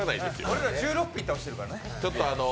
俺ら１６ピン倒してるからね。